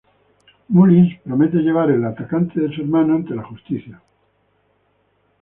Mullins promete llevar al atacante de su hermano ante la justicia.